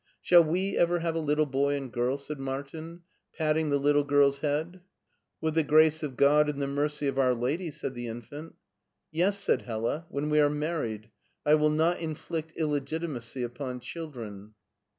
*^ Shall we ever have a little boy and girl? '^ said Martin, patting the little girl's head "With the grace of God and the mercy of our Lady," said the infant "Yes," said Hella, "when we are married. I will not inflict illegitimacy upon children."